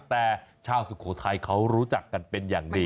แต่ชาวสุโขทัยเขารู้จักกันเป็นอย่างดี